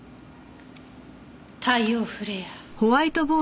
太陽フレア！